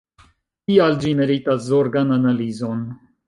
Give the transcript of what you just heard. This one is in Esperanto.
Tial ĝi meritas zorgan analizon.